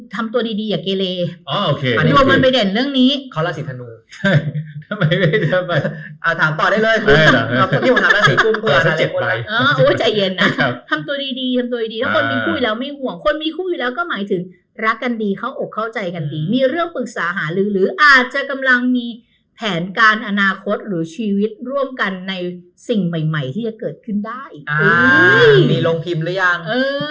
ทำตัวดีดีอย่าเกลร์รวมไปเด่นเรื่องนี้น่าจะกำลังมีแผนการอนาคตหรือชีวิตร่วมกันในสิ่งใหม่ที่จะเกิดขึ้นได้มีลงพิมพ์หรือยัง